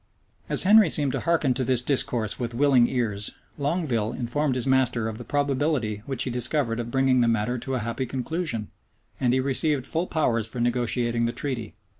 As Henry seemed to hearken to this discourse with willing ears, Longueville informed his master of the probability which he discovered of bringing the matter to a happy conclusion; and he received full powers for negotiating the treaty.